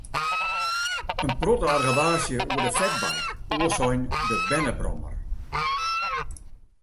In protte argewaasje oer de fatbike, oars sein, de bernebrommer.